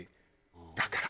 だから。